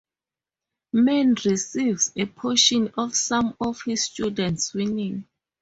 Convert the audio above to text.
Men receives a portion of some of his students' winnings.